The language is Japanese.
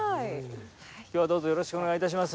今日はどうぞよろしくお願い致します。